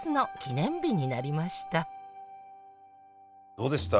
どうでした？